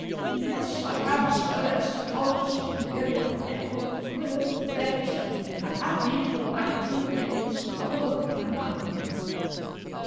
"Yes, I am, sir, at Palmer's Imperial Hotel, Plymouth, Devonshire; and have been for nineteen years, upper and under."